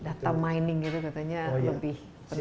data mining itu katanya lebih penting